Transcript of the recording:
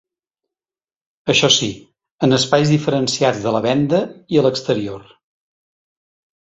Això sí, en espais diferenciats de la venda i a l’exterior.